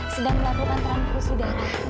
sedang melakukan transkursi darah untuk taufan